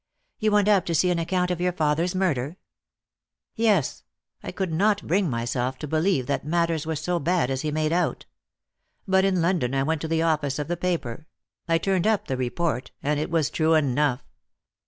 "You went up to see an account of your father's murder?" "Yes. I could not bring myself to believe that matters were so bad as he made out. But in London I went to the office of the paper; I turned up the report, and it was true enough.